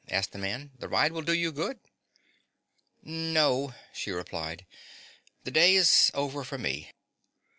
asked the man. "The ride will do you good." "No," she replied, "the day is over for me.